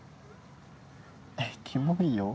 えっキモいよ